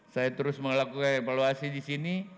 saya terus melakukan evaluasi di sini